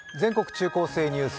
中高生ニュース」